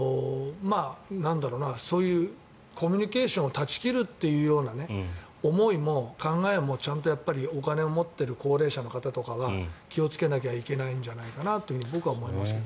そういうコミュニケーションを断ち切るという思いも、考えもちゃんと、お金を持っている高齢者の方とかは気をつけなきゃいけないんじゃないかと僕は思いますけど。